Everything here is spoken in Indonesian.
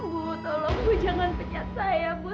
bu tolong bu jangan pencet saya bu